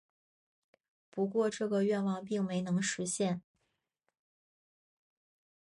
不过这个愿望并没能实现。